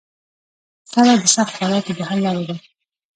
صبر د سختو حالاتو د حل لار ده.